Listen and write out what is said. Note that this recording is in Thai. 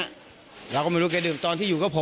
ก็เลยไม่รู้ว่าวันเกิดเหตุคือมีอาการมืนเมาอะไรบ้างหรือเปล่า